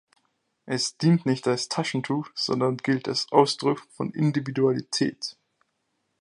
Es dient nicht als Taschentuch, sondern gilt als Ausdruck von Individualität.